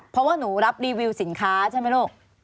เพราะว่าหนูรับรีวิวสินค้าใช่ไหมลูก